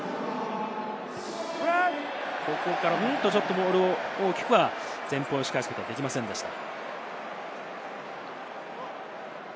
ボールを大きく前方へ押し返すことはできませんでした。